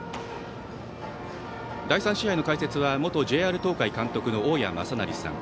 第３試合の解説は元ＪＲ東海監督の大矢正成さん。